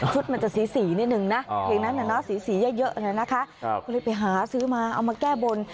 ชุดมันจะสีสีนิดนึงสีสีเยอะเลยไปหาซื้อมาเอามาแก้บน